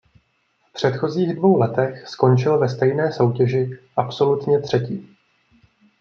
V předchozích dvou letech skončil ve stejné soutěži absolutně třetí.